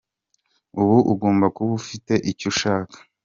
Uba ugomba kuba ufite icyo ushaka.